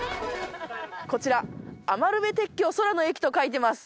こちら、余部鉄橋、空の駅と書いてます。